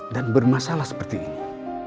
dan bermasalah seperti ini